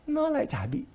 nó lại chả bị